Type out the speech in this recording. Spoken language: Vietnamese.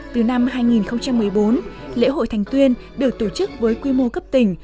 từ năm hai nghìn một mươi bốn lễ hội thành tuyên được tổ chức với quy mô cấp tỉnh